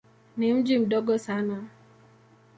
Ni mji mdogo sana.